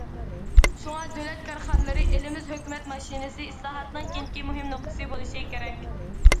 شۇڭا، دۆلەت كارخانىلىرى ئېلىمىز ھۆكۈمەت ماشىنىسى ئىسلاھاتىنىڭ كېيىنكى مۇھىم نۇقتىسى بولۇشى كېرەك.